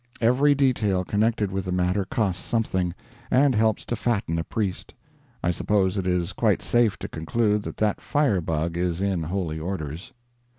Every detail connected with the matter costs something, and helps to fatten a priest. I suppose it is quite safe to conclude that that fire bug is in holy orders.